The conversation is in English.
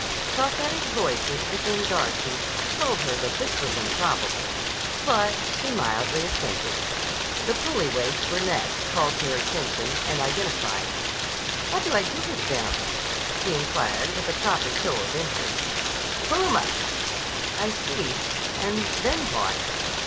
Prophetic voices within Darcy told her that this was improbable: but she mildly assented. The pulley weights were next called to her attention and identified. "What do I do with them?" she inquired with a proper show of interest. "Pull 'em up." "I see. And then what?"